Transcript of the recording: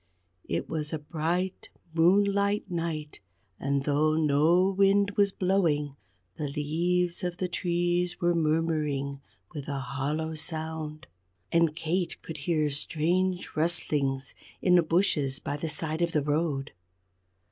It was a bright moonlight night, and though no wind was blowing, the leaves of the trees were murmuring with a hollow sound. And Kate could hear strange rustlings in the bushes by the side of the road.